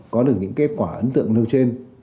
có được những kết quả ấn tượng nêu trên